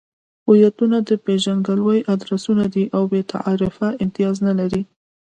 هویتونه د پېژندګلوۍ ادرسونه دي او بې تعارفه امتیاز نلري.